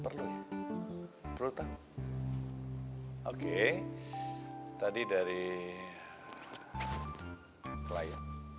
perlu ya perlu tau oke tadi dari klien